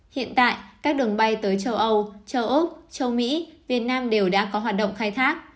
hiện tại các đường bay tới châu âu châu úc châu mỹ việt nam đều đã có hoạt động khai thác